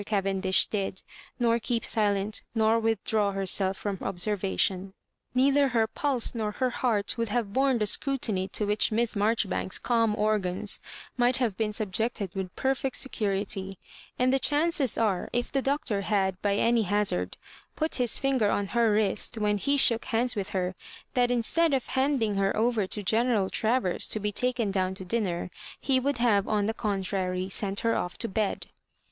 Cavendish did, nor keep silent, nor withdraw herself from observation. Neither her pulse nor her heart would have borne the scrutiny to which Miss H^rjoribanks's calm organs might have been subjected with perfect security ; and the chances are, if the Doctor had by any hazard put h'ls finger on her wrist when he shook hands with her, that instead of handing her over to Greneral Travers to be taken down to dinner, he would have, on the contrary, sent her off to bed.